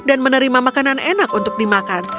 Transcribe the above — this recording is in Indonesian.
dan menerima makanan enak untuk dimakan